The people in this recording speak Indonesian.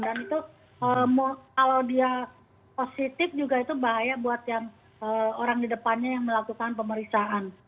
dan itu kalau dia positif juga itu bahaya buat yang orang di depannya yang melakukan pemeriksaan